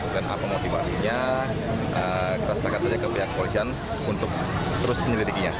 dan apa motivasinya kita setelahkan saja ke pihak kepolisian untuk terus menyelidikinya